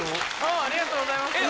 ありがとうございます。